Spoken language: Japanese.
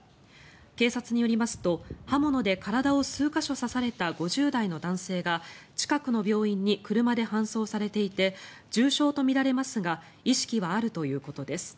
警察によりますと刃物で体を数か所刺された５０代の男性が近くの病院に車で搬送されていて重傷とみられますが意識はあるということです。